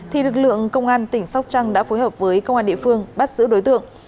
thì lực lượng công an tỉnh sóc trăng đã phối hợp với công an địa phương bắt giữ đối tượng